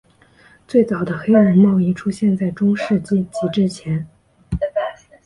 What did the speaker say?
最早的黑奴贸易出现在中世纪及之前。